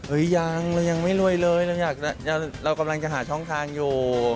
ยังเรายังไม่รวยเลยเรากำลังจะหาช่องทางอยู่